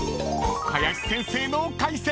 ［林先生の解説！］